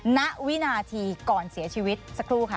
ณวินาทีก่อนเสียชีวิตสักครู่ค่ะ